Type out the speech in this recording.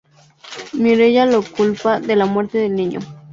Mireya lo culpa de la muerte del niño.